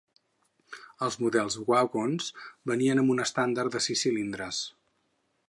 Els models Wagons venien amb un estàndard de sis cilindres.